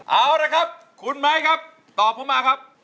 เอาล่ะครับคุณไมค์ครับตอบมาครับ